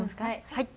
はい。